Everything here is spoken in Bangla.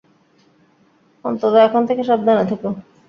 অন্তত এখন থেকে সাবধানে থেকো।